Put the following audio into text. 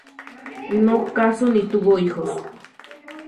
No casó ni tuvo hijos.